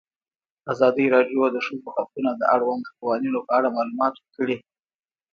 ازادي راډیو د د ښځو حقونه د اړونده قوانینو په اړه معلومات ورکړي.